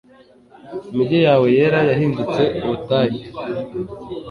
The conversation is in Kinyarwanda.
imigi yawe yera yahindutse ubutayu